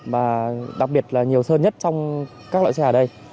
và đặc biệt là nhiều sơn nhất trong các loại xe ở đây